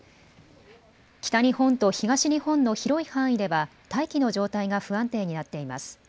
北日本と東日本の広い範囲では大気の状態が不安定になっています。